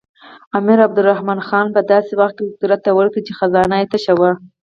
امیر عبدالرحمن خان په داسې وخت کې قدرت ته ورسېد چې خزانه تشه وه.